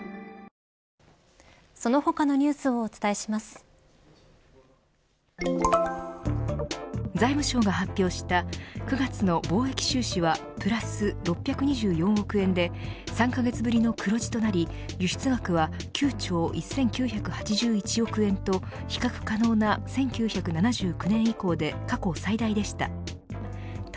ホーユー財務省が発表した９月の貿易収支はプラス６２４億円で３カ月ぶりの黒字となり輸出額は９兆１９８１億円と比較可能な１９７９年以降で過去最大でした。